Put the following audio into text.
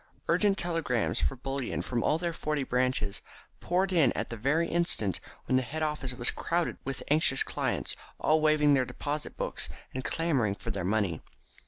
Urgent telegrams for bullion from all their forty branches poured in at the very instant when the head office was crowded with anxious clients all waving their deposit books, and clamouring for their money.